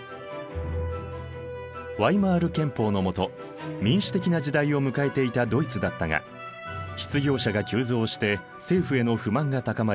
ワイマール憲法の下民主的な時代を迎えていたドイツだったが失業者が急増して政府への不満が高まり